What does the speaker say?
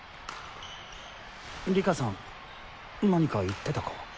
里佳さん何か言ってたか？